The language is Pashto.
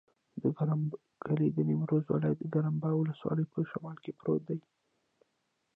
د ګرماب کلی د نیمروز ولایت، ګرماب ولسوالي په شمال کې پروت دی.